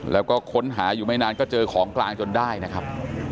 แล้วก็ค้นหาอยู่ไม่นานก็เจอของกลางจนได้นะครับ